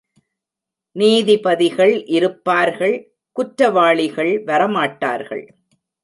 நீதிபதிகள் இருப்பார்கள், குற்றவாளிகள் வரமாட்டார்கள்.